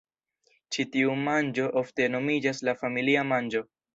Ĉi tiu manĝo ofte nomiĝas la familia manĝo.